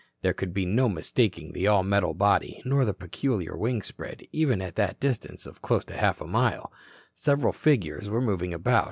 There could be no mistaking the all metal body nor the peculiar wing spread, even at that distance of close to half a mile. Several figures were moving about.